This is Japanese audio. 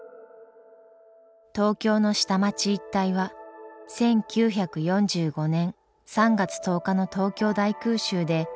東京の下町一帯は１９４５年３月１０日の東京大空襲で焼け野原になりました。